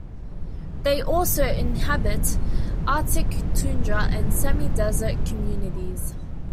They also inhabit arctic tundra and semidesert communities.